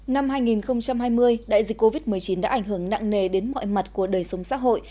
năm hai nghìn hai mươi đại dịch covid một mươi chín đã ảnh hưởng nặng nề đến mọi mặt của đời sống xã hội